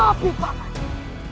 cukup tua pak paman